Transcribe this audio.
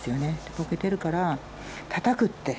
ぼけてるからたたくって。